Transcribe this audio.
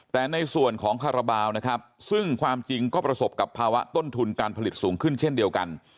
แต่ในส่วนของคาราบาลนะครับซึ่งความจริงก็ประสบกับภาวะต้นทุนการผลิตสูงขึ้นเช่นเดียวกัน